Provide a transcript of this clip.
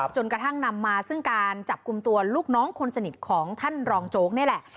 จนกระทั่งนำมาซึ่งการจับกลุ่มตัวลูกน้องคนสนิทของท่านรองโจ๊กนี่แหละ